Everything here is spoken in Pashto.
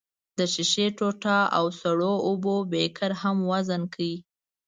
د ښيښې ټوټه او سړو اوبو بیکر هم وزن کړئ.